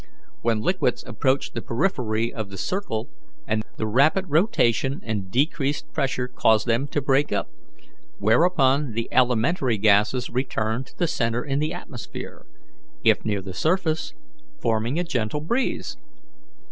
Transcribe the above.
When liquids approach the periphery of the circle, the rapid rotation and decreased pressure cause them to break up, whereupon the elementary gases return to the centre in the atmosphere, if near the surface, forming a gentle breeze.